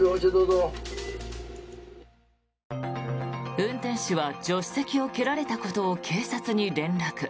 運転手は助手席を蹴られたことを警察に連絡。